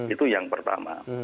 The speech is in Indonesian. itu yang pertama